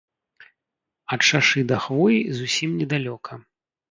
Ад шашы да хвоі зусім недалёка.